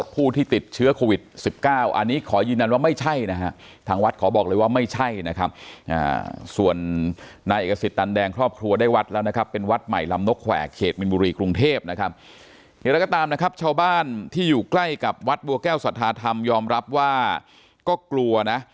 เพราะฉะนั้นถ้าจะมีข่าวไปว่า